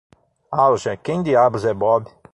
Alja, quem diabos é Bob?